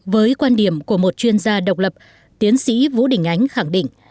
với quan điểm của một chuyên gia độc lập tiến sĩ vũ đình ánh khẳng định